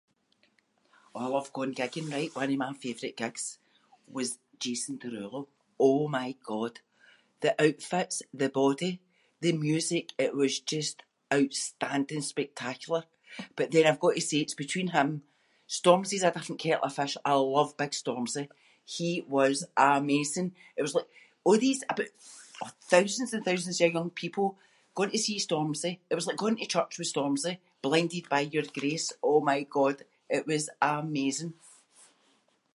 Oh I love going gigging right. One of my favourite gigs was Jason Derulo. Oh my god the outfits, the body, the music. It was just outstanding spectacular. But then I’ve got to say it’s between him- Stormzy’s a different kettle of fish I love big Stormzy. He was amazing. It was like a' these about th-thousands and thousands of young people going to see Stormzy, it was like going to church with Stormzy. Blinded by your grace oh my god it was amazing.